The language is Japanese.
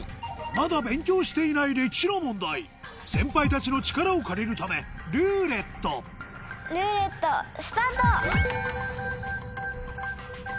まだ勉強していない歴史の問題先輩たちの力を借りるため「ルーレット」ルーレットスタート！